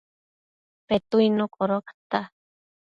Petuidnu codocata